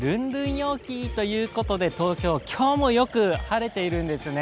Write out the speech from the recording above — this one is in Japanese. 陽気ということで東京、今日もよく晴れているんですね。